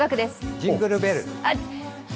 「ジングルベル」？